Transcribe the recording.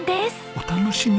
お楽しみ？